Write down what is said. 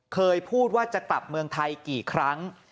เคยพูดว่าจะกลับเมืองไทยกี่ครั้ง